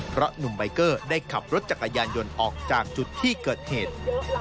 เพราะหนุ่มใบเกอร์ได้ขับรถจักรยานยนต์ออกจากจุดที่เกิดเหตุ